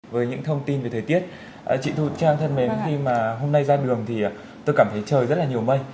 với những thông tin về thời tiết chị thu trang thân mến khi mà hôm nay ra đường thì tôi cảm thấy trời rất là nhiều mây